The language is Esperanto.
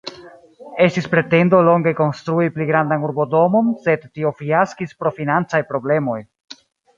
Estis pretendo longe konstrui pli grandan urbodomon, sed tio fiaskis pro financaj problemoj.